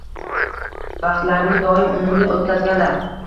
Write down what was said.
Vaqtlarini doim unumli oʻtkazganlar.